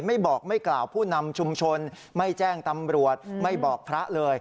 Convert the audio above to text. ไม่บอกไม่กล่าวผู้นำชุมชนไม่แจ้งตำรวจไม่บอกพระเลย